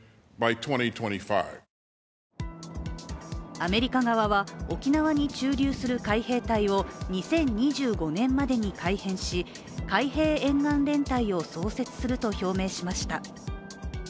アメリカ側は、沖縄に駐留する海兵隊を２０２５年までに改編し海兵沿岸連隊を創設すると表明しました。